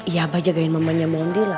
ya abah jagain mamanya maundi lah